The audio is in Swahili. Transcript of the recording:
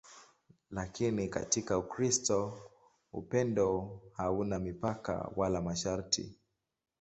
Lakini katika Ukristo upendo hauna mipaka wala masharti.